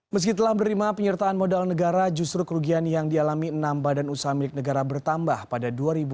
meski telah menerima penyertaan modal negara justru kerugian yang dialami enam badan usaha milik negara bertambah pada dua ribu enam belas